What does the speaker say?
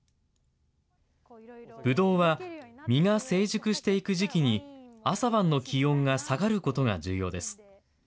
ぶどうは実が成熟していく時期に、朝晩の気温が下がることが重要です。